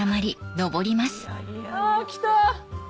あ来た！